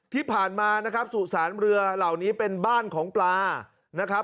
ที่ผ่านมานะครับสุสานเรือเหล่านี้เป็นบ้านของปลานะครับ